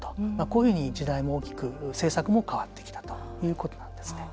こういうふうに時代も大きく政策も変わってきたということなんですね。